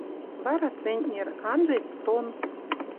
Вара центнер, анжет — тонн.